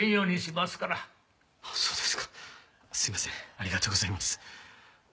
ありがとうございます。